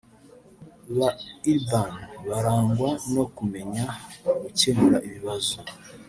Ba Urbain barangwa no kumenya gukemura ibibazo